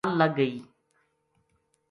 پَل لگ گئی۔